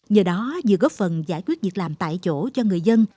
nhờ đó vừa góp phần giải quyết việc làm tại chỗ cho người dân